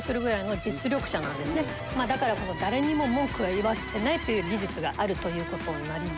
だからこの誰にも文句は言わせないという技術があるということになります。